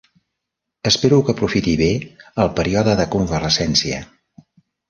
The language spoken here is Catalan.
Espero que aprofiti bé el període de convalescència.